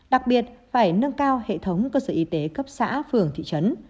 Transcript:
đặc biệt phải nâng cao hệ thống cơ sở y tế cấp xã phường thị trấn